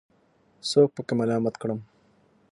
څوک پکې ملامت کړم.